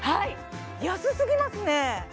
安すぎますねはい！